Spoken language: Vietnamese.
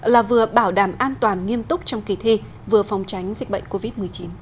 là vừa bảo đảm an toàn nghiêm túc trong kỳ thi vừa phòng tránh dịch bệnh covid một mươi chín